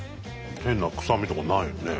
変な臭みとかないよね。